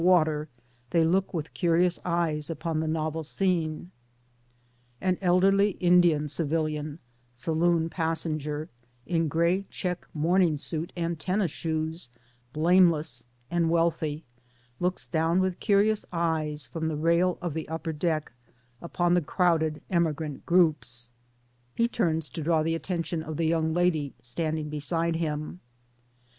^ter ŌĆö ^they look with curious eyes upon the novel scene. An elderly Indian civilian ŌĆö saloon passenger ŌĆö ^in grey check morning suit and tennis shoes, blameless and wealthy, looks down with curious eyes from the rail of the upper deck upon the crowded emigrant groups ; He turns to draw the attention of the young lady standing beside him.